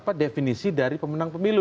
dapat definisi dari pemenang pemilu